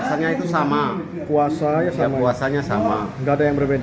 tapi ini memang berbeda